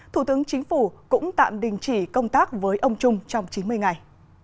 thủ tướng chính phủ cũng tạm đình chỉ công tác với ông trung trong chín mươi ngày